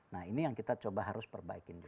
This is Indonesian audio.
nah ini yang kita coba harus perbaikin